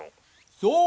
そう！